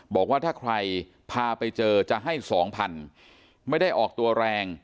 บอกว่าถ้าใครพาไปเจอจะให้สองพันไม่ได้ออกตัวแรง